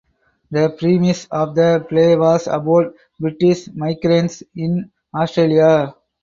The premise of the play was about British migrants in Australia.